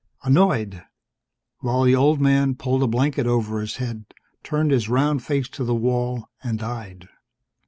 Annoyed while the old man pulled a blanket over his head, turned his round face to the wall, and died.